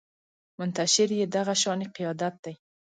منتشر يې دغه شانې قیادت دی